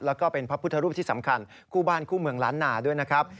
แล้วก็เป็นพระพุทธรูปที่สำคัญคู่บ้านคู่เมืองล้านนาด้วยนะครับ